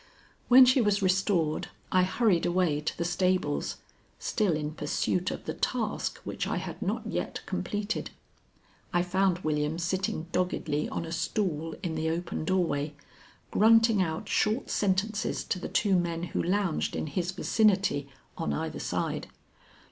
When she was restored, I hurried away to the stables, still in pursuit of the task which I had not yet completed. I found William sitting doggedly on a stool in the open doorway, grunting out short sentences to the two men who lounged in his vicinity on either side.